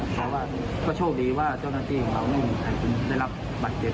เพราะว่าก็โชคดีว่าเจ้าหน้าที่ของเราไม่มีใครได้รับบัตรเจ็บ